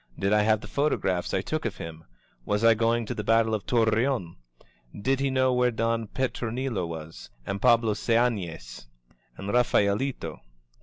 Did I haye the photographs I took of him? Was I going to the battle of Torreon? Did he know where Don Petronilo was? And Pablo Seanes? And Raphaelito?